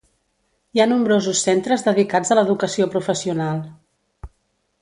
Hi ha nombrosos centres dedicats a l'educació professional.